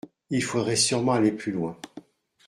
Il faudrait sûrement aller plus loin.